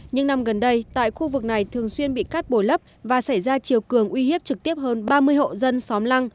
những năm gần đây tại khu vực này thường xuyên bị cắt bồi lấp và xảy ra chiều cường uy hiếp trực tiếp hơn ba mươi hộ dân xóm lăng